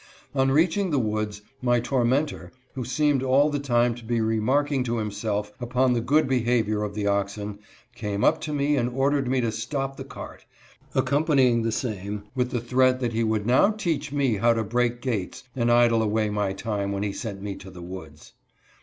On reaching the woods, my tormenter, who seemed all the time to be remarking to himself upon the good behavior of the oxen, came up to me and ordered me to stop the cart, accompanying the same with the threat that he would now teach me how to break gates and idle away my time when he sent me to the woods.